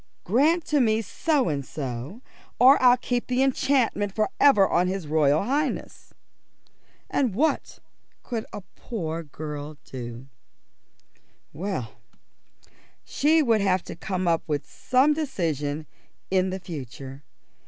"Grant to me so and so, or I'll keep the enchantment for ever on his Royal Highness." And what could a poor girl do? Well, she would have to come to some decision in the future.